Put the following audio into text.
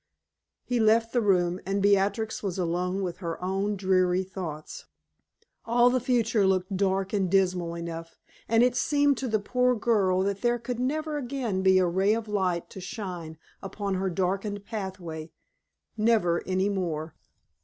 He left the room, and Beatrix was alone with her own dreary thoughts. All the future looked dark and dismal enough, and it seemed to the poor girl that there could never again be a ray of light to shine upon her darkened pathway never any more.